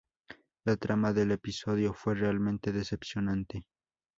La trama del episodio fue realmente decepcionante.